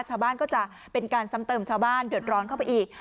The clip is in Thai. ชาวบ้านก็จะเป็นการซ้ำเติมชาวบ้านเดือดร้อนเข้าไปอีก